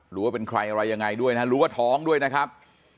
ว่าเป็นใครอะไรยังไงด้วยนะรู้ว่าท้องด้วยนะครับ